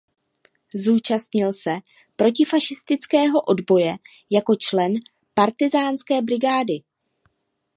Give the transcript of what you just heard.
Zúčastnil se protifašistického odboje jako člen partyzánské brigády.